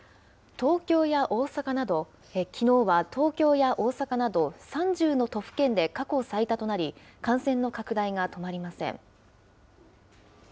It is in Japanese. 東京や大阪など、きのうは東京や大阪など、３０の都府県で過去最多となり、感染の拡大が止まりません。